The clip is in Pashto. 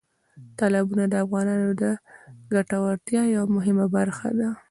تالابونه د افغانانو د ګټورتیا یوه مهمه برخه ده.